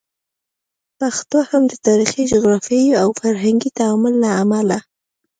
پښتو هم د تاریخي، جغرافیایي او فرهنګي تعامل له امله